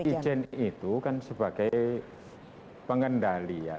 jadi ijen itu kan sebagai pengendali ya